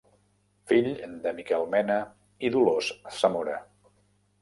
Fill de Miquel Mena i Dolors Zamora.